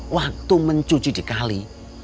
waktu mencuci dikali